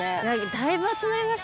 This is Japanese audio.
だいぶ集まりましたね